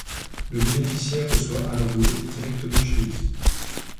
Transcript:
Le bénéficiaire reçoit alors l'eau directement chez lui.